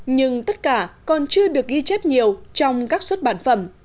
nhưng tất cả còn chưa được ghi chép nhiều trong các xuất bản phẩm